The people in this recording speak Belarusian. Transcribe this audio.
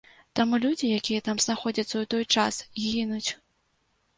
Таму людзі, якія там знаходзяцца ў той час, гінуць.